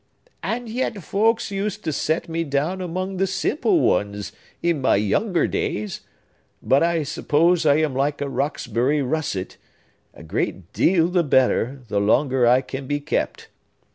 "And yet folks used to set me down among the simple ones, in my younger days! But I suppose I am like a Roxbury russet,—a great deal the better, the longer I can be kept.